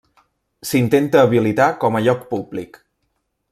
S'intenta habilitar com a lloc públic.